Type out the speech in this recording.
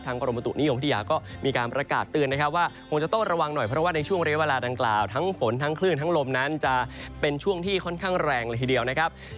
กรมบุตุนิยมวิทยาก็มีการประกาศเตือนนะครับว่าคงจะต้องระวังหน่อยเพราะว่าในช่วงเรียกเวลาดังกล่าวทั้งฝนทั้งคลื่นทั้งลมนั้นจะเป็นช่วงที่ค่อนข้างแรงเลยทีเดียวนะครับ